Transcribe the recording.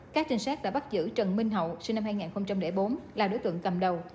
các trinh sát đã bắt giữ trần minh hậu sinh năm hai nghìn bốn là đối tượng cầm đầu